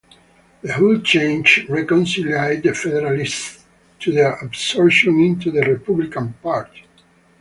The whole change reconciled the federalists to their absorption into the republican party.